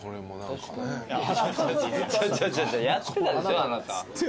違う違うやってたでしょあなた。